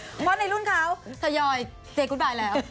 เพราะว่าในรุ่นเค้าสยอยเจ๊กุ๊ดบ่ายแล้ว